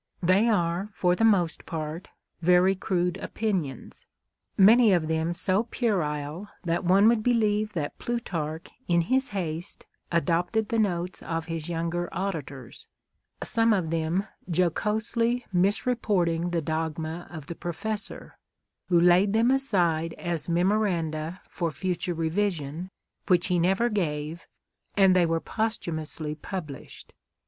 They are, for the most part, very crude opinions ; many of them so puerile that one would believe that Plutarch in his haste adopted the notes of his younger auditors, some of tliem jocosely misreporting the dogma of the professor, who laid them aside as memoranda for future revision, which he never gave, and they were posthumously pub lished.